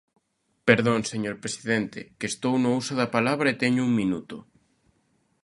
Perdón, señor presidente, que estou no uso da palabra e teño un minuto.